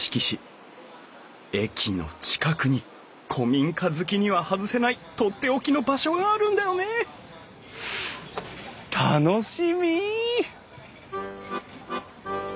駅の近くに古民家好きには外せないとっておきの場所があるんだよね楽しみ！